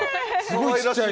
かわいらしい。